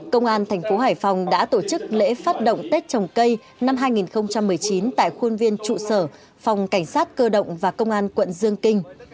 công an thành phố hải phòng đã tổ chức lễ phát động tết trồng cây năm hai nghìn một mươi chín tại khuôn viên trụ sở phòng cảnh sát cơ động và công an quận dương kinh